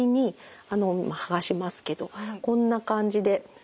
あの剥がしますけどこんな感じではい。